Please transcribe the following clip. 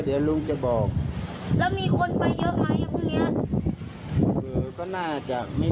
เดี๋ยวลุงจะบอกแล้วมีคนไปเยอะไหมพรุ่งเนี้ย